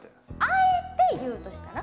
あえて言うとしたら？